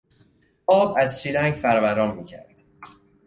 آب از شیلنگ فوران میکرد.